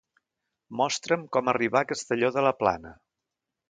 Mostra'm com arribar a Castelló de la Plana.